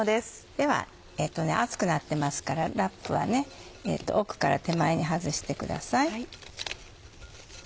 では熱くなってますからラップは奥から手前に外してください。